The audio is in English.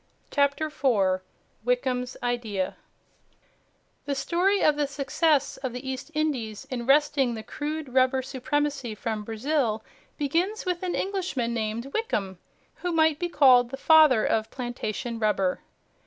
CHAPTER 4 WICKHAM'S IDEA The story of the success of the East Indies in wresting the crude rubber supremacy from Brazil, begins with an Englishman named Wickham, who might be called the father of plantation rubber.